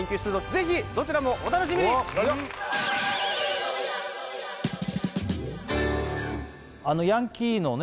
ぜひどちらもお楽しみにあのヤンキーのね